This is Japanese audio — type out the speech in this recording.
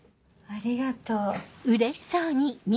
ありがとう。